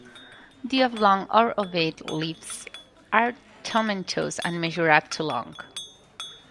The oblong or ovate leaves are tomentose and measure up to long.